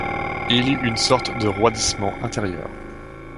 Il eut une sorte de roidissement intérieur.